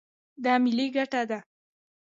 دا ملي ګټه ده.